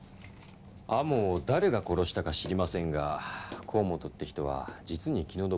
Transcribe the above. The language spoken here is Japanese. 天羽を誰が殺したか知りませんが河本って人は実に気の毒です。